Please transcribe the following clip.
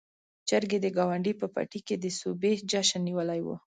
چرګې د ګاونډي په پټي کې د سوبې جشن نيولی و.